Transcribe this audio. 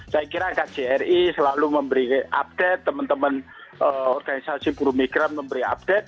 saya kira kcri selalu memberikan update teman teman organisasi purwok migran memberikan update